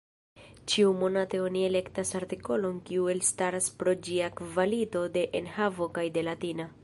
Ĉiumonate oni elektas artikolon kiu elstaras pro ĝia kvalito de enhavo kaj de latina.